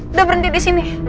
udah berhenti disini